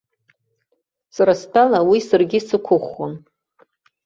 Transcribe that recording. Сара стәала уи саргьы исықәыӷәӷәон.